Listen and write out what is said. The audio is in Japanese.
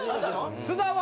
津田は？